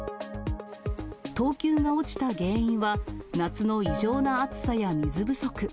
等級が落ちた原因は、夏の異常な暑さや水不足。